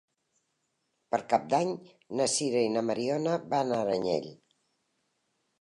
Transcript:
Per Cap d'Any na Sira i na Mariona van a Aranyel.